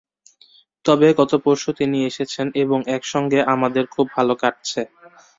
তবে গত পরশু তিনি এসেছেন এবং একসঙ্গে আমাদের খুব ভাল কাটছে।